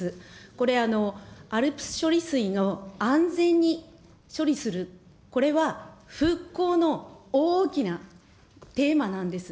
これ、ＡＬＰＳ処理水の安全に処理する、これは復興の大きなテーマなんです。